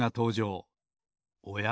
おや？